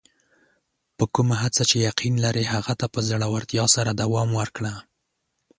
په کومه هڅه چې یقین لرې، هغه ته په زړۀ ورتیا سره دوام ورکړه.